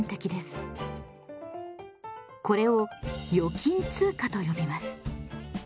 これを預金通貨と呼びます。